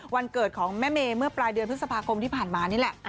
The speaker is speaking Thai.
วันเกิดของแม่เมย์เมื่อปลายเดือนพฤษภาคมที่ผ่านมานี่แหละ